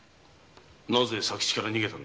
なぜ左吉から逃げたんだ？